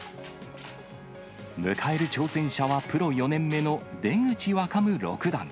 迎える挑戦者は、プロ４年目の出口若武六段。